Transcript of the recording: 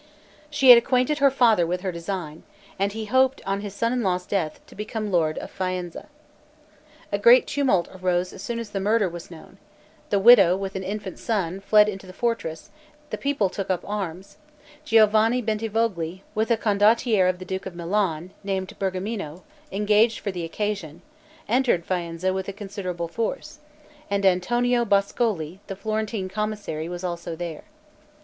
She had acquainted her father with her design, and he hoped, on his son in law's death, to become lord of Faenza. A great tumult arose as soon as the murder was known, the widow, with an infant son, fled into the fortress, the people took up arms, Giovanni Bentivogli, with a condottiere of the duke of Milan, named Bergamino, engaged for the occasion, entered Faenza with a considerable force, and Antonio Boscoli, the Florentine commissary, was also there.